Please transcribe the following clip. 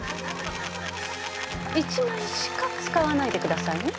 一枚しか使わないでくださいね。